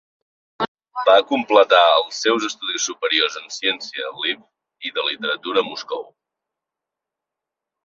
Va completar els seus estudis superiors en ciència Lviv i de literatura a Moscou.